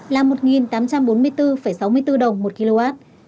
là một tám trăm bốn mươi bốn sáu mươi bốn đồng một kw